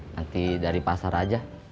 nanti dari pasar aja